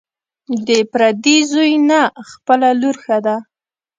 ـ د پردي زوى نه، خپله لور ښه ده.